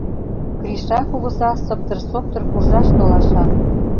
Криша кугыза сыптыр-соптыр куржаш толаша.